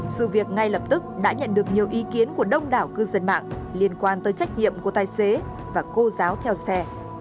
sự việc ngay lập tức đã nhận được nhiều ý kiến của đông đảo cư dân mạng liên quan tới trách nhiệm của tài xế và cô giáo theo xe